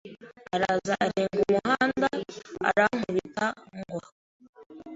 araza arenga umuhanda arankubita ngwa